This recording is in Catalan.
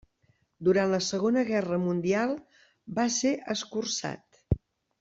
Durant la Segona Guerra Mundial va ser escurçat.